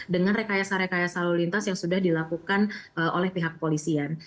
dengan rekayasa rekayasa lalu lintas yang sudah dilakukan oleh pihak polisian